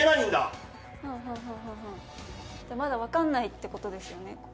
だからまだ分からないってことですよね。